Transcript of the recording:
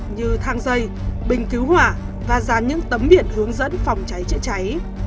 như thang dây bình cứu hỏa và dán những tấm biển hướng dẫn phòng cháy chữa cháy